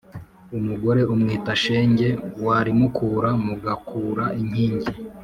Umugore umwita shenge warimukura mugakura inkingi.